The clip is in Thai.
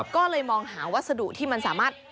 ก็เลยมองหาวัสดุที่มันสามารถ